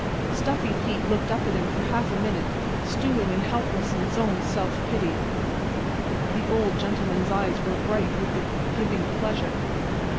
Stuffy Pete looked up at him for a half minute, stewing and helpless in his own self pity. The Old Gentleman's eyes were bright with the giving pleasure.